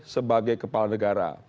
sebagai kepala negara